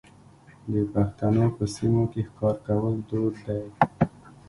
د پښتنو په سیمو کې ښکار کول دود دی.